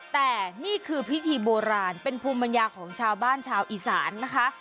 แต่นี่คือพิธีโบราณเป็นภูมิปัญญาของชาวบ้านชาวอีสานนะคะ